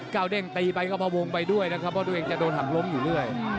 วเด้งตีไปก็พวงไปด้วยนะครับเพราะตัวเองจะโดนหักล้มอยู่เรื่อย